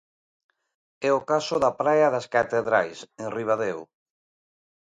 É o caso da praia das Catedrais, en Ribadeo.